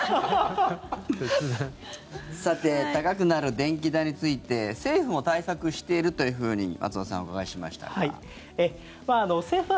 さて高くなる電気代について政府も対策しているというふうに松尾さん、お伺いしましたが。